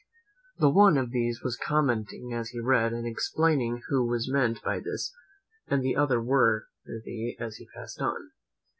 The one of these was commenting as he read, and explaining who was meant by this and the other worthy as he passed on.